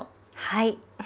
はい。